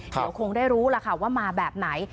เดี๋ยวคงได้รู้ล่ะค่ะว่ามาแบบไหน